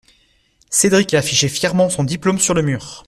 Cédric a affiché fièrement son diplôme sur le mur.